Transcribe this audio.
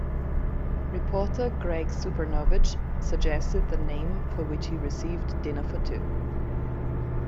Reporter Greg Supernovich suggested the name-for which he received dinner for two.